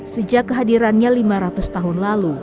sejak kehadirannya lima ratus tahun lalu